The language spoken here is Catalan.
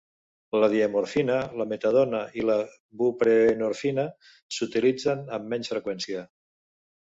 La diamorfina, la metadona i la buprenorfina s'utilitzen amb menys freqüència.